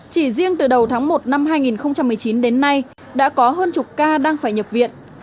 chỉ riêng từ đầu tháng một năm hai nghìn một mươi chín đến nay đã có hơn chục ca đang phải nhập viện